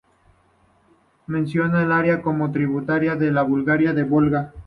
Mencionan el área como tributaria de la Bulgaria del Volga.